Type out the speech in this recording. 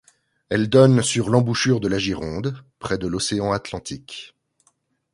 Elle donne sur l’embouchure de la Gironde, près de l’océan Atlantique.